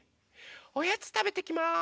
おやつたべてきます！